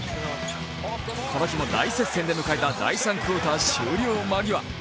この日も大接戦で迎えた第３クオーター終了間際。